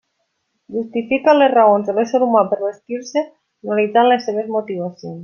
Justifica les raons de l'ésser humà per vestir-se analitzant les seves motivacions.